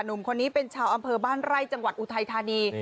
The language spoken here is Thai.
หนุ่มคนนี้เป็นชาวอำเภอบ้านไร่จังหวัดอุทัยธานี